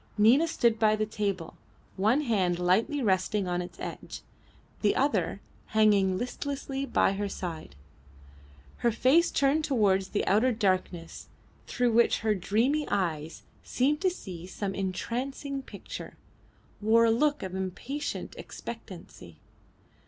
Nina stood by the table, one hand lightly resting on its edge, the other hanging listlessly by her side. Her face turned towards the outer darkness, through which her dreamy eyes seemed to see some entrancing picture, wore a look of impatient expectancy.